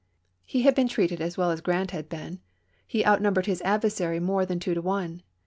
He had been treated as well as Grant had been; he outnumbered his adversary more than two to one.